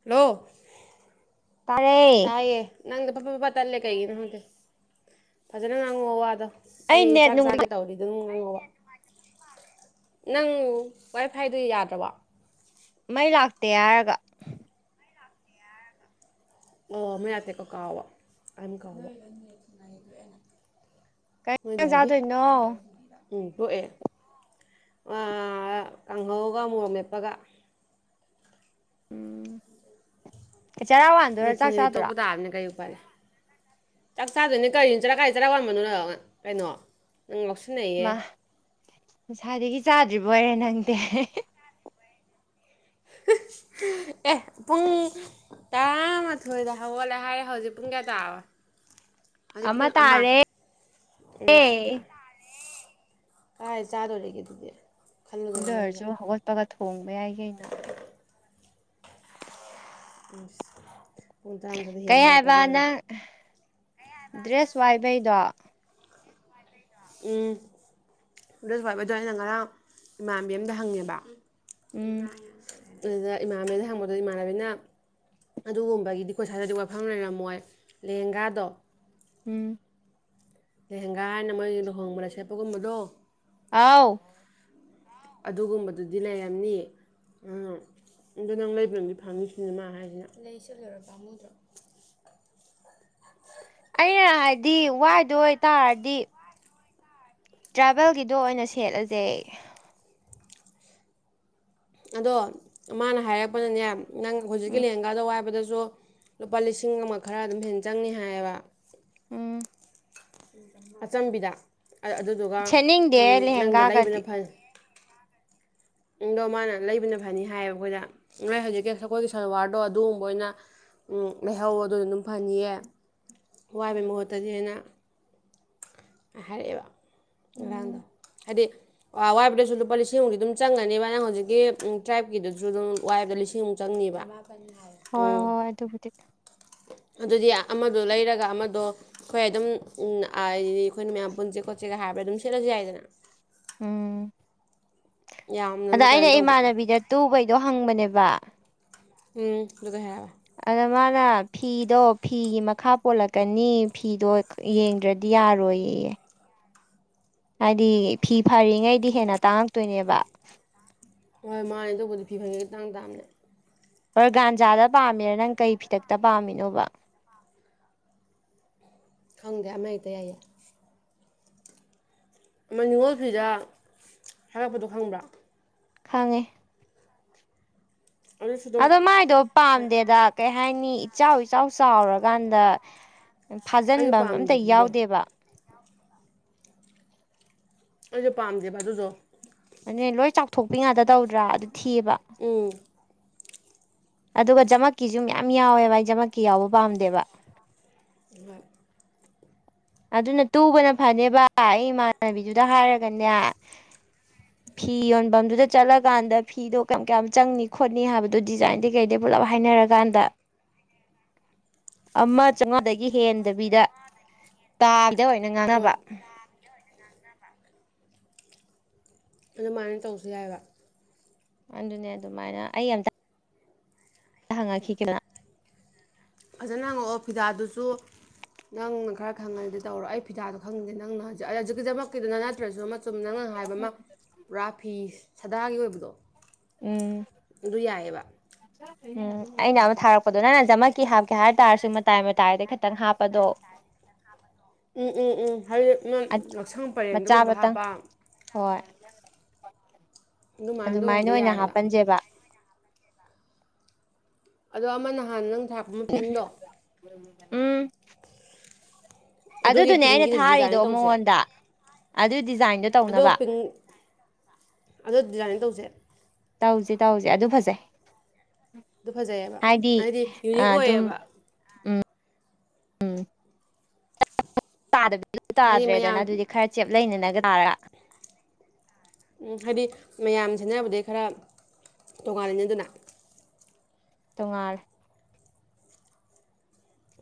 hello ꯇꯥꯔꯦ ꯇꯥꯏꯦ ꯅꯪ ꯄ ꯄ ꯇꯂꯦ ꯀꯩꯒꯤꯅ ꯍꯗꯦ ꯐꯖꯅ ꯅꯪ ꯍꯑꯣꯗꯣ ꯑꯩ ꯅꯦꯠ ꯆꯥꯛ ꯅꯨꯡ ꯆꯥꯒꯦ ꯇꯧꯔꯤ ꯑꯗꯨꯝ ꯅꯪ ꯋꯥꯏ ꯐꯥꯏꯗꯨ ꯌꯥꯗ꯭ꯔꯕ ꯃꯩ ꯂꯥꯛꯇꯦ ꯍꯥꯏꯔꯒ ꯑꯣ ꯃ ꯑꯇꯩꯀꯣ ꯀꯥꯋꯥ ꯑꯝ ꯀ ꯀꯗꯣꯏꯅꯣ ꯎꯝ ꯊꯣꯛꯣꯛꯑꯦ ꯀꯥꯡꯍꯧꯒ ꯃꯣꯔꯝ ꯂꯦꯞꯄꯒ ꯎꯝ ꯆꯔꯥ ꯋꯥꯟꯗꯣꯏꯔꯥ ꯆꯥꯛ ꯅꯤꯡꯊꯤꯡꯅꯤ ꯆꯥꯗꯣꯏꯔꯥ ꯇꯣꯛꯄ ꯇꯥꯕꯅꯦ ꯀꯩ ꯄꯥꯏꯔꯦ ꯆꯥꯛ ꯆꯥꯗꯣꯏꯅꯤ ꯀꯔꯤꯅꯤ ꯆꯔꯥ ꯀꯥꯏ ꯆꯔꯥ ꯋꯥꯟꯕꯅꯣ ꯀꯩꯅꯣ ꯅꯪ ꯂꯧ ꯁꯤ ꯅꯌꯦ ꯃꯁꯥꯗꯒꯤ ꯆꯥꯗ꯭ꯔꯤꯕ ꯑꯣꯏꯔꯦ ꯅꯪꯗꯤꯦ ꯑꯦ ꯄꯨꯡ ꯇꯔꯥꯃꯥꯊꯣꯏꯗ ꯍꯧꯒꯠꯂꯦ ꯍꯥꯏꯔꯦ ꯍꯧꯖꯤꯛ ꯄꯨꯡ ꯀꯌꯥ ꯇꯥꯔꯣꯏ ꯍꯧꯖꯤꯛ ꯑꯃ ꯄ ꯑꯃꯥ ꯇꯥꯔꯦ ꯀꯥꯏ ꯆꯥꯗꯧꯔꯦꯒꯦ ꯇꯗꯤꯦ ꯗꯔꯁꯨ ꯍꯧꯒꯠꯄꯒ ꯊꯣꯡꯕ ꯌꯥꯏ ꯀꯩꯅꯣ ꯎ [unintelligible] ꯀꯩ ꯍꯥꯏꯕ ꯅꯪ ꯗ꯭ꯔꯦꯁ ꯋꯥꯏꯕꯩꯗꯣ ꯎꯝ ꯑꯗꯨꯗꯕꯗꯣ ꯑꯩꯅ ꯉꯔꯥꯡ ꯏꯃꯥꯟꯕꯤ ꯑꯃꯗ ꯍꯪꯉꯦꯕ ꯎꯝ ꯏꯕ꯭ꯔꯥꯍꯤꯝ ꯑꯗꯨꯗ ꯏꯃꯥꯟꯕꯤꯅ ꯍꯪꯕꯗ ꯏꯃꯥꯟꯅꯕꯤꯅ ꯑꯗꯨꯒꯨꯝꯕꯒꯤꯗꯤ ꯀꯣꯏ ꯁ꯭ꯋꯥꯏꯗꯗꯤ ꯋꯥꯐꯝ ꯂꯩꯔꯝꯃꯣꯏ ꯂꯦꯍꯦꯡꯒꯥꯗꯣ ꯎꯝ ꯎꯝ ꯀꯥꯏꯅ ꯃꯣꯏ ꯂꯨꯍꫭꯡꯕꯗ ꯁꯦꯄꯒꯨꯝꯕ ꯅ [unintelligible] ꯑꯑꯣ ꯑꯗꯨꯒꯨꯝꯕꯗꯨꯗꯤ ꯂꯩꯔꯝꯅꯤ ꯑꯗꯣ ꯅꯪ ꯂꯩꯕ ꯅꯪꯗꯤ ꯐꯥꯝꯃꯤꯁꯤꯅꯤꯅ ꯃꯥ ꯍꯥꯏꯁꯤꯅ ꯑꯩꯅ ꯍꯥꯏꯗꯤ ꯋꯥꯏꯗꯣꯏꯇꯥꯔꯗꯤ ꯇ꯭ꯔꯥꯏꯚꯦꯜꯒꯤꯗꯣ ꯑꯣꯏꯅ ꯁꯦꯠꯂꯁꯦ ꯑꯗꯣ ꯃꯥꯅ ꯍꯥꯏꯔꯛꯄꯅꯅꯦ ꯅꯪ ꯍꯧꯖꯤꯛꯀꯤ ꯎꯝ ꯂꯦꯍꯪꯒꯥꯗ ꯋꯥꯏꯕꯗ ꯁꯨ ꯂꯨꯄꯥ ꯂꯤꯁꯤꯡ ꯑꯃ ꯈꯔ ꯑꯗꯨꯝ ꯍꯦꯟꯅ ꯆꯪꯅꯤ ꯍꯥꯏꯌꯦꯕ ꯎꯝ ꯑꯆꯝꯕꯤꯗ ꯑꯗꯨꯗꯨꯒ ꯁꯦꯠꯅꯤꯡꯗꯦ ꯅꯪꯗ ꯂꯩꯕꯅ ꯂꯦꯍꯦꯡꯒꯥꯒꯗꯤ ꯐꯩ ꯗꯣ ꯃꯥꯅ ꯂꯩꯕꯅ ꯐꯅꯤ ꯍꯥꯏꯌꯦꯕ ꯑꯩꯈꯣꯏꯗ ꯅꯣꯏ ꯍꯧꯖꯤꯛꯀꯤ ꯑꯩꯈꯣꯏꯒꯤ ꯁꯔꯋꯥꯔꯗꯣ ꯑꯗꯨꯒꯨꯝꯕ ꯑꯣꯏꯅ ꯂꯩꯍꯧꯋꯣ ꯑꯗꯨꯅ ꯑꯗꯨꯝ ꯐꯅꯤꯌꯦ ꯋꯥꯏꯕꯩ ꯃꯍꯨꯠꯇꯗꯤ ꯍꯟꯅ ꯍꯥꯏꯔꯛꯏꯔꯣ ꯎꯝ ꯋꯥꯥꯡꯗ ꯍꯥꯏꯗꯤ ꯑ ꯋꯥꯏꯕꯗꯁꯨ ꯂꯨꯄꯥ ꯂꯤꯁꯤꯡꯃꯨꯛꯇꯤ ꯑꯗꯨꯝ ꯆꯪꯒꯅꯦꯕ ꯅꯪ ꯍꯧꯖꯤꯛꯀꯤ ꯇ꯭ꯔꯥꯏꯞꯀꯤꯗꯨꯁꯨ ꯑꯗꯨꯝ ꯋꯥꯏꯕꯗ ꯂꯤꯁꯤꯡꯃꯨꯛ ꯆꯪꯅꯤꯕ ꯍꯣꯏ ꯎꯝ ꯍꯣꯏ ꯑꯗꯨꯕꯨꯗꯤ ꯑꯗꯨꯗꯤ ꯑꯃꯗꯣ ꯂꯩꯔꯒ ꯑꯃꯗꯣ ꯑꯩꯈꯣꯏ ꯑꯗꯨꯝ ꯍꯥꯏꯗꯤ ꯑꯩꯈꯣꯏꯅ ꯃꯌꯥꯝ ꯄꯨꯟꯁꯦ ꯈꯣꯠꯆꯦꯒ ꯍꯥꯏꯕꯗ ꯑꯗꯨꯝ ꯁꯦꯠꯂꯁꯨ ꯌꯥꯏꯗꯅ ꯎꯝ ꯌꯥꯝꯅ ꯑꯗ ꯑꯃ ꯑꯩꯅ ꯀꯩꯅꯣ ꯇꯧꯕꯗꯨꯅꯤ ꯏꯃꯥꯟꯅꯕꯤꯗ ꯇꯨꯕꯩꯗꯣ ꯍꯪꯕꯅꯦꯕ ꯋꯥ ꯎꯝ ꯑꯗꯨꯒ ꯍꯦ ꯑꯗ ꯃꯥꯅ ꯐꯤꯗꯣ ꯐꯤꯒꯤ ꯃꯈꯥ ꯄꯣꯜꯂꯛꯀꯅꯤ ꯐꯤꯗꯣ ꯌꯦꯡꯗ꯭ꯔꯗꯤ ꯌꯥꯔꯣꯏꯌꯦ ꯍꯥꯏꯗꯤ ꯐꯤ ꯐꯔꯤꯉꯩꯗꯤ ꯍꯦꯟꯅ ꯇꯥꯡꯉꯛꯇꯣꯏꯅꯦꯕ ꯍꯣꯏ ꯃꯥꯅꯦ ꯇꯧꯕꯗꯤ ꯐꯤ ꯐꯪꯉꯦ ꯇꯥꯡ ꯇꯥꯕꯅꯦ ꯑꯣꯔꯒꯥꯟꯖꯥꯗ ꯄꯥꯝꯃꯤꯔ ꯅꯪ ꯀꯩ ꯐꯤꯗꯛꯇ ꯄꯥꯝꯃꯤꯅꯣꯕ ꯈꯪꯗꯦ ꯑꯃ ꯍꯦꯛ ꯌꯥꯏꯌꯦ ꯑꯃ ꯅꯤꯡꯅꯤꯉꯣꯜ ꯐꯤꯗ ꯍꯥꯏꯔꯛꯄꯗꯣ ꯈꯪꯕ꯭ꯔꯥ ꯈꯪꯉꯦ ꯑꯗꯨꯁꯨ ꯑꯗꯨꯝ ꯑꯗꯣ ꯃꯥꯏꯗꯣ ꯄꯥꯝꯗꯦꯗ ꯀꯩ ꯍꯥꯏꯅꯤ ꯏꯆꯥꯎ ꯏꯆꯥꯎ ꯆꯥꯎꯔꯀꯥꯟꯗ ꯑꯩꯁꯨ ꯐꯥꯖꯤꯟꯕ ꯑꯝꯇ ꯄꯥꯝꯗꯦꯕ ꯑꯗꯨꯗꯣ ꯌꯥꯎꯗꯦꯕ ꯑꯩꯁꯨ ꯄꯥꯝꯗꯦꯕ ꯑꯗꯨꯗꯣ ꯑꯗꯨꯅꯦ ꯂꯣꯏ ꯆꯥꯎꯊꯣꯛꯄꯤ ꯉꯥꯛꯇ ꯇꯧꯗ꯭ꯔꯥ ꯑꯗꯨ ꯊꯤꯕ ꯎꯝ ꯑꯗꯨꯒ ꯖꯃꯀꯤꯁꯨ ꯃꯌꯥꯝ ꯌꯥꯎꯋꯦꯕ ꯑꯩ ꯖꯃꯀꯤ ꯌꯥꯎꯕ ꯄꯥꯝꯗꯦꯕ ꯍꯣꯏ ꯑꯗꯨꯅ ꯇꯨꯕꯅ ꯐꯅꯦꯕ ꯑꯩ ꯏꯃꯥꯟꯅꯕꯤꯗꯨꯗ ꯍꯥꯏꯔꯒꯅꯦ ꯐꯤ ꯌꯣꯟꯐꯝꯗꯨꯗ ꯆꯠꯂꯀꯥꯟꯗ ꯐꯤꯗꯣ ꯀꯌꯥꯝ ꯀꯌꯥꯝ ꯆꯪꯅꯤ ꯈꯣꯠꯅꯤ ꯍꯥꯏꯕꯗꯣ ꯗꯤꯖꯥꯏꯟꯗꯤ ꯀꯩꯗꯩ ꯄꯨꯂꯞ ꯍꯥꯏꯅꯔꯀꯥꯟꯗ ꯑꯃ ꯆꯧꯉꯥꯗꯒꯤ ꯍꯦꯟꯗꯕꯤꯗ ꯗ ꯑꯣꯏꯅ ꯍꯣꯏ ꯉꯥꯡꯉꯕ ꯑꯗꯨꯃꯥꯏꯅ ꯇꯧꯁꯤ ꯌꯥꯏꯕ ꯑꯗꯨꯅꯦ ꯑꯗꯨꯃꯥꯏꯅ ꯑꯩ ꯑꯝꯇ ꯍꯪꯂꯛꯈꯤꯒꯦ ꯑꯝꯇ ꯐꯖꯅ ꯍꯪꯉꯛꯑꯣ ꯐꯤꯗꯥꯗꯨꯁꯨ ꯅꯪꯅ ꯈꯔ ꯈꯪꯉꯒꯗꯤ ꯇꯧꯔꯣ ꯑꯩ ꯐꯤꯗꯥꯗꯣ ꯈꯪꯉꯗꯤ ꯅꯪꯅ ꯍꯧꯖꯤꯛ ꯍꯧꯖꯤꯛꯀꯤꯗꯃꯛꯀꯤꯗꯅ ꯅꯠꯇ꯭ꯔꯁꯨ ꯑꯁꯨꯝ ꯅꯪꯅ ꯍꯥꯏꯕ ꯑꯃ ꯄꯨꯔꯥ ꯐꯤ ꯁꯗꯥꯒꯤ ꯑꯣꯏꯕꯗꯣ ꯎꯝ ꯑꯗꯨ ꯌꯥꯏꯑꯕ ꯎꯝ ꯑꯩꯅ ꯑꯃ ꯊꯥꯔꯛꯄꯗꯣ ꯅꯪꯅꯖꯃꯛꯀꯤ ꯍꯥꯞꯀꯦ ꯍꯥꯏ ꯇꯥꯔꯁꯨ ꯃꯇꯥꯏ ꯃꯇꯥꯏꯗ ꯈꯤꯇꯪ ꯍꯥꯞꯄꯗꯣ ꯎꯝ ꯎꯝ ꯎꯝ ꯍꯥꯏꯕꯗꯤ ꯌꯥꯎꯁꯪ ꯄꯔꯦꯡꯗꯒꯨꯝꯕ ꯍꯥꯞꯄ ꯍ [unintelligible] ꯑꯗꯨꯃꯥꯏꯅ ꯇꯣꯡꯕꯗ ꯑꯣꯏꯅ ꯌꯥꯏꯑꯕ ꯍꯥꯞꯄꯟꯁꯦꯕ ꯑꯗꯣ ꯑꯃ ꯅꯍꯥꯟ ꯅꯪ ꯊꯥꯔꯛꯄ ꯑꯃ ꯄꯤꯡꯗꯣ [unintelligible] ꯎꯝ ꯑꯗꯨꯒꯤ ꯑꯗꯨꯗꯨꯅꯦ ꯑꯩꯅ ꯄꯤꯡꯒꯤꯗꯨ ꯊꯥꯔꯤꯗꯣ ꯗꯤꯖꯥꯏꯟ ꯇꯧꯁꯦ ꯃꯉꯣꯟꯗ ꯑꯗꯨ ꯗꯤꯖꯥꯏꯟꯗꯣ ꯑꯗꯣ ꯇꯧꯅꯕ ꯄꯤꯡ ꯑꯗꯣ ꯗꯤꯖꯥꯏꯟ ꯇꯧꯁꯦ ꯇꯧꯁꯦ ꯇꯧꯁꯦ ꯑꯗꯨ ꯐꯖꯩ ꯑꯗꯨ ꯐꯖꯩꯑꯕ ꯍꯥꯏꯗꯤ ꯌꯨꯅꯤꯛ ꯑꯣꯏꯌꯦꯕ ꯎꯝ ꯇꯥꯗꯕꯤ ꯍꯥꯏꯗꯤ ꯇꯥꯗ꯭ꯔꯦꯗꯅ ꯃꯌꯥꯝ ꯑꯗꯨꯗꯤ ꯈꯔ ꯆꯦꯞ ꯂꯩꯅꯒ ꯇꯥꯔ ꯍꯥꯏꯗꯤ ꯃꯌꯥꯝ ꯁꯦꯟꯅꯕꯗꯤꯩ ꯈꯔ ꯇꯣꯉꯥꯂꯅꯤ ꯑꯗꯨꯅ ꯇꯨꯡꯉꯥꯥꯟ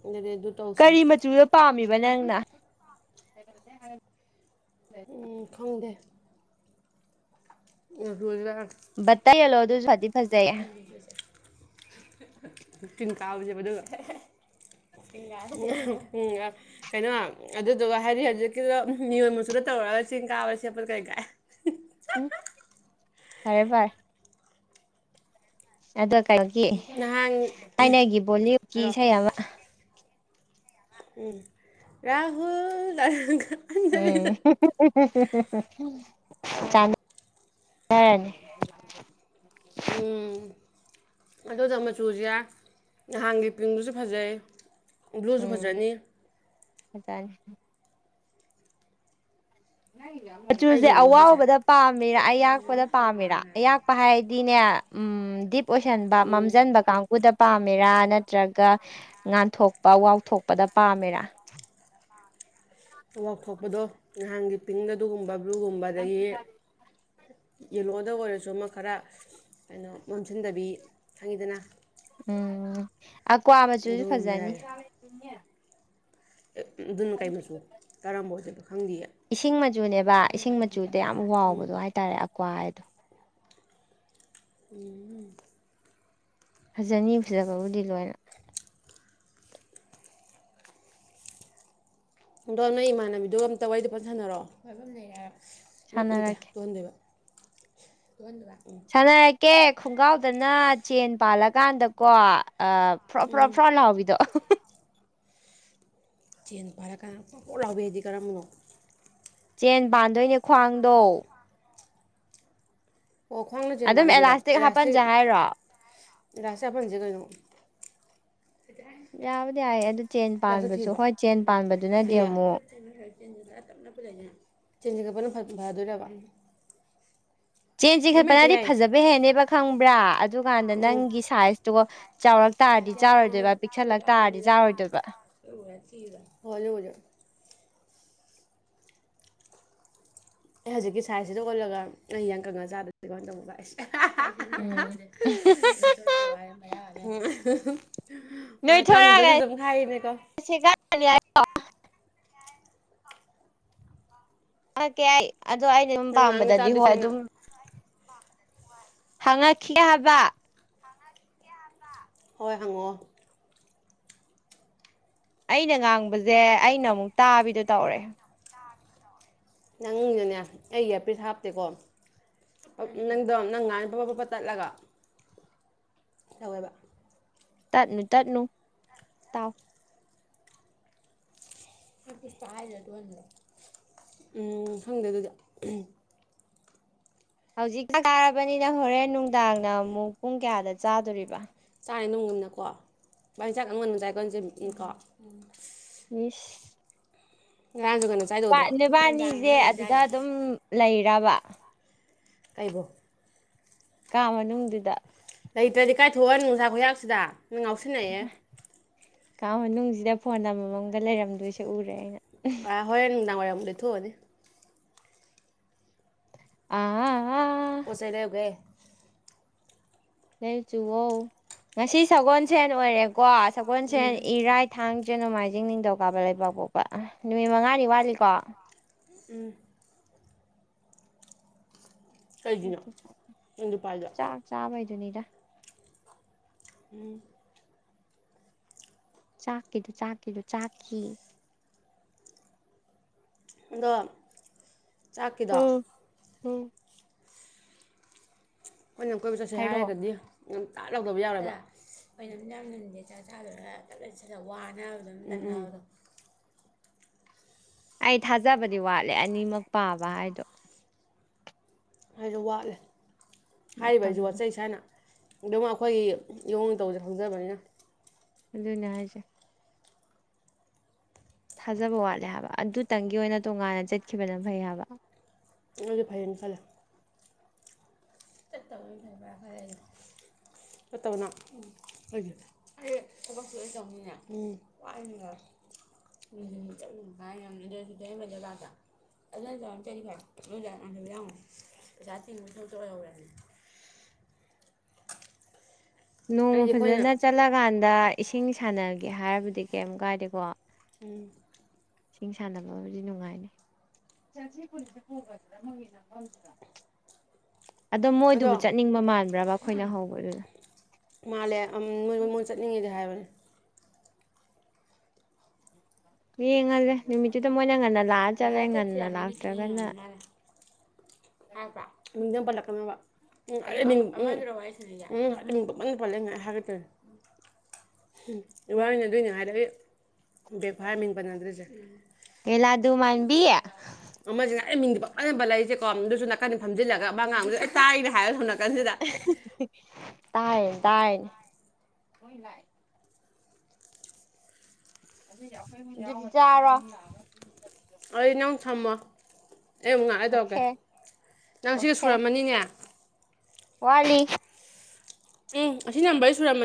ꯑꯗꯨꯗꯤ ꯑꯗꯨ ꯇꯧꯁꯦ ꯀꯔꯤ ꯃꯆꯨꯗ ꯄꯥꯝꯃꯤꯕ ꯆꯅꯦ ꯑꯪꯅ ꯈꯪꯗꯦ ꯑ ꯍ ꯠꯇꯥꯏꯂꯣ ꯑꯣ ꯑꯗꯨ ꯁ ꯇꯤꯟꯀ ꯀꯥꯁꯦꯕ ꯑꯗꯨꯒ ꯀꯩꯅꯣ ꯑꯗꯨꯗꯨꯒ ꯍꯥꯏꯗꯤ ꯍꯧꯖꯤꯛꯀꯤꯗ ꯃꯤꯑꯣꯣꯟ ꯃꯁꯨꯨꯗ ꯇꯧꯔꯒ ꯆꯤꯡ ꯀꯥꯕ ꯁꯦꯠꯄ ꯀꯩ ꯀꯥꯏ ꯐꯔꯦꯕꯔ ꯑꯗ ꯀꯩꯅꯣꯒꯤ ꯅꯍꯥꯟ ꯊꯥꯏꯅꯒꯤ ꯕꯣꯂꯤꯋꯨꯗꯀꯤ ꯏꯁꯩ ꯑꯃ ꯎꯝ ꯔꯍꯨꯜ ꯑꯔ ꯎꯝ ꯆꯥꯟꯅꯔꯅꯤ ꯎꯝ ꯑꯗꯨꯗ ꯃꯆꯨꯁꯦ ꯅꯍꯥꯟꯒꯤ ꯄꯤꯡꯗꯨꯁꯨ ꯐꯖꯩ ꯕ꯭ꯂꯨ ꯎꯝ ꯁꯨꯐꯖꯅꯤ ꯐꯖꯅꯤ ꯑꯩ ꯃꯆꯨꯁꯦ ꯌꯦꯜꯂꯣ ꯁꯤꯁꯦ ꯑꯋꯥꯎꯕꯗ ꯄꯥꯝꯃꯤꯔ ꯑꯌꯥꯛꯄꯗ ꯄꯥꯝꯃꯤꯔꯥ ꯑꯌꯥꯛꯄ ꯍꯥꯏꯗꯤꯅꯦ ꯎꯝ ꯗꯤꯞ ꯑꯣꯏꯁꯟꯕ ꯎꯝ ꯃꯝꯁꯤꯟꯕ ꯀꯥꯡꯕꯨꯨꯗ ꯄꯥꯝꯃꯦꯔꯥ ꯅꯠꯇ꯭ꯔꯒ ꯉꯥꯟꯊꯣꯛꯄ ꯋꯥꯎꯊꯣꯛꯄꯗ ꯄꯥꯝꯃꯦꯔꯥ ꯋꯥꯎꯊꯣꯛꯄꯗꯣ ꯅꯍꯥꯟꯒꯤ ꯄꯤꯡꯗ ꯑꯗꯨꯒꯨꯝꯕ ꯨꯕꯂꯨ ꯒꯨꯝꯕ ꯑꯗꯒꯤ ꯌꯦꯜꯂꯣꯗ ꯑꯣꯏꯔꯁꯨ ꯑꯃ ꯈꯔ ꯀꯩꯅꯣ ꯃꯝꯁꯤꯟꯗꯕꯤ ꯈꯪꯉꯤꯗꯅ ꯎꯝ ꯑꯀ꯭ꯋꯥ ꯃꯆꯨꯁꯨ ꯑꯗꯨꯒꯨꯝꯕ ꯐꯖꯅꯤ ꯌꯥꯏ ꯑꯗꯨꯅ ꯀꯩ ꯃꯆꯨ ꯀꯔꯝꯕ ꯑꯣꯏꯗꯣꯏꯕ ꯈꯪꯗꯤꯌꯦ ꯨꯆꯨꯅꯦꯕ ꯏꯁꯤꯡ ꯆꯨꯗ ꯌꯥꯝ ꯋꯥꯎꯕꯗꯣ ꯍꯥꯏꯇꯥꯔꯦ ꯀꯋꯥ ꯍꯥꯏꯗ‌ꯣ ꯎꯝ ꯐꯖꯅꯤ ꯐꯖꯕꯕꯨꯗꯤ ꯂꯣꯏꯅ ꯑꯗꯣ ꯅꯪꯏ ꯏꯃꯥꯟꯅꯕꯤꯗꯨꯒ ꯑꯝꯇ ꯋꯥꯔꯤꯗ‌ꯣ ꯐꯖꯅ ꯁꯥꯟꯅꯔꯣ ꯎꯝ ꯅꯠꯇꯦ ꯁꯥꯟꯅꯔꯛꯀꯦ ꯇꯨꯍꯟꯗꯣꯏꯕ [unintelligible] ꯎꯝ ꯁꯥꯟꯅꯔꯛꯀꯦ ꯈꯣꯡꯒ꯭ꯔꯥꯎꯗꯅ ꯆꯦꯟ ꯄꯥꯜꯂꯀꯥꯟꯗꯀꯣ ꯭ꯐꯔꯣ ꯐꯔꯣꯞ ꯎꯝ ꯐ꯭ꯔꯣ ꯂꯥꯎꯕꯤꯗꯣ ꯆꯦꯟ ꯄꯥꯜꯂꯀꯥꯟꯗ ꯐꯔ‌ꯣ ꯐꯔ‌ꯣ ꯂꯥꯎꯕꯤꯗꯤ ꯀꯔꯝꯕꯅꯣ ꯆꯦꯟ ꯄꯥꯟꯗꯣꯏꯅꯦ ꯈ꯭ꯋꯥꯡꯗꯣ ꯑꯣ ꯈ꯭ꯋꯥꯡꯅ ꯆꯦꯟ ꯑꯗꯨꯝ ꯄꯥꯟꯗꯣꯏꯔꯣ ꯑꯦꯂꯥꯁꯇꯤꯛ ꯍꯥꯞꯄꯟꯁꯦ ꯏꯂꯥꯁꯇꯤꯛ ꯍꯥꯏꯔꯣ ꯏꯂꯥꯁꯇꯤꯛ ꯍꯥꯞꯐꯟꯁꯦ ꯀꯩꯅꯣ ꯌꯥꯕꯨꯗꯤ ꯌꯥꯏ ꯑꯗꯨ ꯆꯦꯟ ꯏꯂꯥꯁꯇꯤꯛ ꯄꯥꯟꯕꯁꯨ ꯊꯤꯕ꯭ꯔꯣ ꯍꯣꯏ ꯆꯦꯟ ꯄꯥꯟꯕꯗꯨꯅꯗꯤ ꯑꯃꯨꯛ [unintelligible] ꯆꯦꯟ ꯆꯤꯡꯒꯠꯄꯅ ꯐꯗꯣꯏꯔꯕ ꯆꯦꯟ ꯑꯃ ꯍꯦꯛꯇ ꯆꯤꯡꯈꯠꯄꯅꯗꯤ ꯌꯥꯏꯌꯦ ꯐꯖꯕ ꯍꯦꯞꯅꯦꯕ ꯈꯪꯕ꯭ꯔꯥ ꯑꯗꯨꯀꯥꯟꯗ ꯅꯪꯒꯤ ꯁꯥꯏꯖꯇꯨꯒꯣ [unintelligible] ꯇꯥꯔꯗꯤ ꯆꯥꯔꯣꯏꯗꯣꯏꯕ ꯍ ꯑꯩ ꯍꯧꯖꯤꯛꯀꯤ ꯁꯥꯏꯖꯁꯤꯗ ꯑꯣꯜꯂꯒ ꯑꯩ ꯏꯌꯥꯡ ꯀꯪꯉꯥ ꯆꯥꯗꯗꯤ ꯀꯃꯥꯏꯅ ꯇꯧꯕ ꯑꯩꯁ [unintelligible] ꯅꯣꯏ ꯍꯣꯏ ꯊꯣꯔꯛꯑꯒ ꯀꯪꯗ꯭ꯔꯁꯨ ꯑꯗꯨꯝ ꯈꯥꯏꯔꯤꯅꯦꯀꯣ [unintelligible] ꯑ ꯑ ꯀꯦ ꯑꯩ [unintelligible] ꯑꯗꯣ ꯑꯩꯗꯤ ꯑꯗꯨꯝ ꯅꯪ ꯉꯥꯡꯕ ꯄꯥꯝꯕꯗꯗꯤ ꯇꯥꯗꯦ ꯍꯣꯏ ꯁꯦꯡꯅ ꯑꯗꯨꯝ ꯍꯪꯉꯛꯈꯤ ꯍꯥꯏꯕ ꯍꯣꯏ ꯍꯪꯉꯣ ꯑꯩꯅ ꯉꯥꯡꯕꯁꯦ ꯑꯩꯅ ꯑꯃꯨꯛ ꯇꯥꯕꯤꯗꯣ ꯇꯧꯔꯦ ꯅꯪꯗꯨꯅꯦ ꯑꯩꯒꯤ ꯑꯄꯤꯁ ꯍꯥꯞꯇꯦꯀꯣ ꯅꯪꯗꯣ ꯅꯪ ꯉꯥꯟ ꯄꯄ ꯄꯞꯄ ꯇꯠꯂꯒ ꯇꯋꯥꯥꯏꯕ ꯇꯠꯅ ꯇꯠꯅꯨ ꯇꯥꯎ ꯎꯝ ꯈꯪꯗꯦ ꯑꯗꯨꯗꯤ ꯍꯧꯖꯤꯛꯇ ꯆꯥꯔꯕꯅꯤꯅ ꯍꯣꯔꯦꯟ ꯅꯨꯡꯗꯥꯡꯅ ꯑꯃꯨꯛ ꯄꯨꯡ ꯀꯌꯥꯗ ꯆꯥꯗꯣꯔꯤꯕ ꯆꯥ ꯅꯣꯡꯒꯨꯝꯅꯀꯣ ꯕꯥꯏꯟꯖꯥꯛ ꯅꯉꯣꯟ ꯅꯨꯡ ꯆꯥꯏꯒꯣꯟꯁꯦꯀꯣ ꯎ ꯕꯤꯁ ꯉꯥꯡꯁꯨ ꯀꯩꯅꯣ ꯆꯥꯏꯗꯣꯏꯗ꯭ꯔꯣꯅꯨꯡꯗꯥꯡꯖꯤ ꯑꯗꯨꯗ ꯑꯗꯨꯝ ꯂꯩꯔꯕ ꯇꯥꯏꯕꯣ ꯀꯥ ꯃꯅꯨꯡꯗꯨꯗ ꯂꯩꯇ꯭ꯔꯗꯤ ꯀꯥꯏꯊꯣꯛꯑꯅꯤ ꯅꯨꯡꯁꯥ ꯈꯨꯌꯥꯥꯛꯁꯤꯗ ꯅꯪ ꯉꯥꯎ ꯁꯤꯦꯡꯅꯦꯌꯦ ꯀꯥ ꯃꯅꯨꯡꯁꯤꯗ ꯐꯣꯟ ꯑꯃꯃꯝꯒ ꯂꯩꯔꯝꯗꯣꯏꯁꯦ ꯎꯔꯦ ꯑꯩꯅ ꯑ ꯍꯔꯗꯥꯔ ꯀꯊꯊꯧ ꯑꯣꯏꯅꯤ ꯑ ꯄꯨꯣꯁꯩꯗ ꯍꯧꯒꯦ ꯅ ꯆꯨꯍꯧ ꯉꯁꯤ ꯁꯒꯣꯜꯁ ꯍꯅ ꯑꯣꯏꯔꯦꯕ ꯀꯣ ꯁꯒꯣꯜꯁꯦꯟ ꯏꯔꯥꯏ ꯊꯥꯡꯁꯦ ꯣꯡꯃꯥꯏꯖꯦ ꯖꯤꯡ ꯅꯤꯡꯊꯧ ꯀꯥꯕ ꯂꯩꯕꯥꯛ ꯐꯥꯎꯕ ꯅꯨꯃꯤꯠ ꯃꯉꯥꯅꯤ ꯋꯥꯠꯂꯤꯀꯣ ꯎꯝ ꯀꯒꯤꯅꯣ ꯅ ꯅꯨꯄꯥꯥꯏꯗ ꯖꯨꯅꯤꯗꯥ ꯎꯝ ꯆꯥꯛꯀꯤꯗꯨ ꯆꯥꯛꯀꯤꯗꯨ ꯆꯥꯛꯈꯤ ꯗ [unintelligible] ꯆꯥꯛꯀꯤꯗ ꯍ [unintelligible] ꯍꯣꯏ ꯀꯣꯏꯕ ꯆꯠꯁꯦ ꯍꯥꯏꯔꯛꯑꯣ ꯍꯥꯏꯔꯒꯗꯤ ꯇꯥ ꯂꯧꯗꯕ ꯌꯥꯎꯔꯖꯣꯏ ꯋꯥꯅꯕꯗꯣ ꯑꯩꯥꯏꯠ ꯍ ꯐꯖꯕꯗꯤ ꯋꯥꯠꯂꯦ ꯑꯅꯤꯃꯛ ꯄꯥꯕ ꯍꯥꯏꯗꯣ ꯍꯥꯏꯅ ꯋꯥꯠꯂꯦ ꯍꯥꯏꯔꯤꯕ ꯍꯥꯏꯁꯤ ꯃꯇꯝꯗꯣ ꯋꯥꯠꯆꯩ ꯁꯥꯏꯅ ꯑꯗꯨꯝ ꯑꯩꯈꯣꯏꯒꯤ ꯏꯌꯣꯡ ꯇꯧꯁꯦ ꯈꯪꯖꯕꯅꯤꯅ ꯑꯗꯨꯅꯦ ꯍꯥꯏꯁꯦ ꯊꯥꯖꯕ ꯋꯥꯠꯂꯦ ꯍꯥꯏꯕ ꯑꯗꯨꯇꯪꯒꯤ ꯑꯣꯏꯅ ꯇꯣꯉꯥꯟꯅ ꯆꯠꯈꯤꯕꯅ ꯐꯩ ꯍꯥꯏꯕ ꯑꯗꯨꯗꯤ ꯐꯩꯅ ꯆꯂ ꯠꯇ ꯐꯔꯦ ꯐꯔꯦ ꯆꯠꯇꯧꯅ ꯎ ꯑꯩ ꯊꯕꯛꯁꯨ ꯂ ꯆꯅꯤꯅꯦ ꯎꯝ ꯋꯥꯔ ꯎ ꯆꯠ ꯌꯥꯝꯗꯗꯕ ꯖꯒꯥꯗ ꯑꯗꯨꯅ ꯆꯝ ꯀꯔꯤ ꯐꯔꯦ ꯑꯗꯨꯣꯏ ꯌꯥꯝꯉ ꯄꯩꯁꯥ ꯆꯤꯡꯕ ꯁꯇ ꯑꯣꯏꯍꯧꯔꯦꯅꯦ ꯅꯣꯡꯃ ꯑꯩꯗꯤ ꯑꯩꯈꯣꯏꯅ ꯐꯖꯅ ꯆꯠꯂꯀꯥꯟꯗ ꯏꯁꯤꯡ ꯁꯥꯟꯅꯒꯦ ꯍꯥꯏꯔꯕꯗꯤ ꯀꯩꯝ ꯀꯥꯏꯗꯦꯀꯣ ꯎꯝ ꯏꯁꯤꯡ ꯁꯥꯟꯅꯕꯕꯨꯗꯤ ꯅꯨꯡꯉꯥꯏꯅꯤ ꯑꯗꯣ ꯃꯣꯏꯗꯨꯕꯨ ꯆꯠꯅꯤꯡꯕ ꯃꯥꯟꯕ꯭ꯔꯕ ꯑꯩꯈꯣꯏꯅ ꯍꯧꯕꯗꯨꯗ ꯃꯥꯜꯂꯦ ꯅꯣꯏ ꯃꯉꯣꯟ ꯆꯠꯅꯤꯡꯉꯦꯗꯤ ꯍꯥꯏꯕꯅꯦ ꯃꯤ ꯌꯦꯡꯉꯗ꯭ꯔꯦ ꯅꯨꯃꯤꯠꯇꯗ ꯃꯣꯏꯅꯪꯅ [unintelligible] [unintelligible] ꯕꯦ ꯐꯔ ꯃꯤꯡ ꯃꯟꯅꯗ꯭ꯔꯔꯤꯁꯦ ꯕꯤ ꯑꯃꯁꯤꯅ ꯑꯩ ꯃꯤꯡꯗꯤꯕ ꯑꯅꯝꯕ ꯂꯩꯔꯤꯁꯦꯀꯣ ꯑꯗꯨꯁꯨ ꯅꯥꯀꯟꯗ ꯐꯝꯖꯤꯜꯂꯒ ꯃꯥ ꯉꯥꯡꯕꯗꯦ ꯑꯩ ꯇꯥꯏꯅ [unintelligible] ꯇꯥꯏꯟ ꯇꯥꯏꯅꯦ ꯆꯔꯣ ꯑꯅꯧ ꯊꯝꯃꫭ ꯑꯩ ꯑꯃꯨꯛ ꯉꯥꯛꯂꯩꯔ ꯗꯧꯔꯛꯀꯦ ꯑꯣꯀꯦ ꯅꯪ ꯁꯤꯒ ꯑꯣꯀꯦ ꯁꯨꯔꯝꯃꯅꯤꯅꯦ ꯋꯥꯠꯂꯤ ꯎꯝ ꯑꯁꯤ ꯅꯝꯕꯔꯩ ꯁꯨꯔꯝꯃꯤ